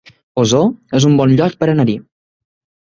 Osor es un bon lloc per anar-hi